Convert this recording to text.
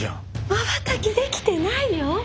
まばたきできてないよ！